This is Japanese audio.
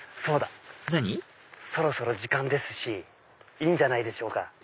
そろそろ時間ですしいいんじゃないでしょうか。